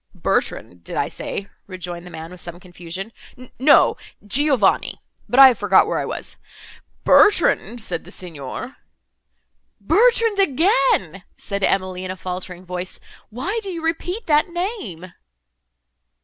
"Bertrand, did I say?" rejoined the man, with some confusion—"No, Giovanni. But I have forgot where I was;—'Bertrand,' said the Signor— "Bertrand, again!" said Emily, in a faltering voice, "Why do you repeat that name?"